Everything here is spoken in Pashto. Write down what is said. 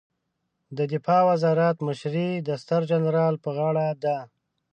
د دفاع وزارت مشري د ستر جنرال په غاړه ده